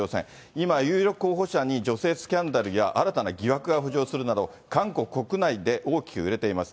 今、有力候補者に女性スキャンダルや新たな疑惑が浮上するなど、韓国国内で大きく揺れています。